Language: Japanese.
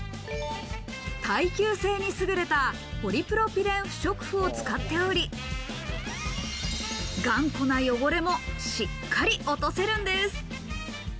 耐久性にすぐれたポリプロピレン不織布を使っており、頑固な汚れもしっかり落とせるんです。